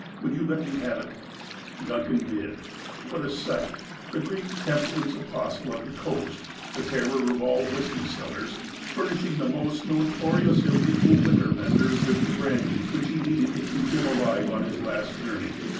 Would you let me have it ?" Duncan did. What a sight ! The great temperance apostle of the coast, the terror of all whiskey sellers, fur nishing the most notorious illegal liquor vendor with the brandy which he needed to keep him alive on his last journey.